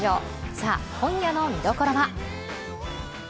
さあ、今夜の見どころは？